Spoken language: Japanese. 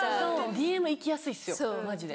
ＤＭ行きやすいっすよマジで。